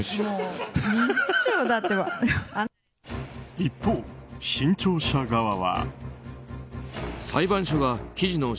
一方、新潮社側は。